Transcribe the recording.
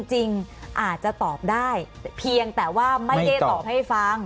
จริงอาจจะตอบได้เพียงแต่ว่าไม่ได้ตอบให้ฟัง